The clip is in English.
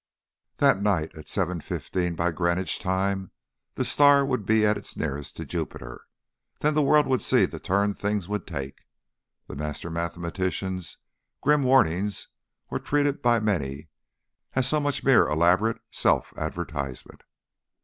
That night, at seven fifteen by Greenwich time, the star would be at its nearest to Jupiter. Then the world would see the turn things would take. The master mathematician's grim warnings were treated by many as so much mere elaborate self advertisement.